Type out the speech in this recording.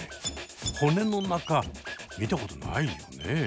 骨の中見たことないよね。